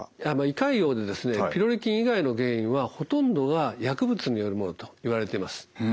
胃潰瘍でピロリ菌以外の原因はほとんどが薬物によるものといわれてます。